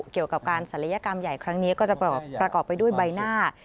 เกี่ยวกับการศัลยกรรมใหญ่ครั้งนี้ก็จะประกอบไปด้วยใบหน้า